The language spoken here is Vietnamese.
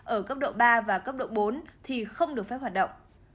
ở cấp độ ba và cấp độ bốn thì không được phép hoạt động